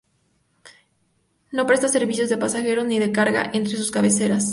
No presta servicios de pasajeros ni de carga entre sus cabeceras.